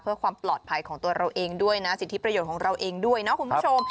เพื่อความปลอดภัยของตัวเราเองด้วยนะสิทธิประโยชน์ของเราเองด้วยนะคุณผู้ชม